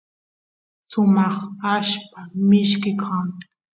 sumaq allpa mishki kan